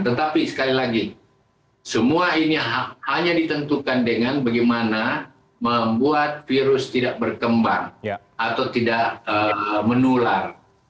tetapi sekali lagi semua ini hanya ditentukan dengan bagaimana membuat virus tidak berkembang atau tidak menular